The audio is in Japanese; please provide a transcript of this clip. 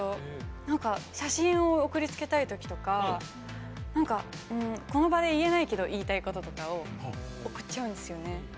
何か写真を送りつけたい時とかこの場で言えないけど言いたいこととかを送っちゃうんですよね。